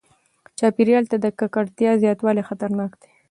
چاپیریال ته د ککړتیا زیاتوالی خطرناک دی.